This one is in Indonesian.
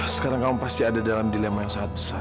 sekarang kamu pasti ada dalam dilema yang sangat besar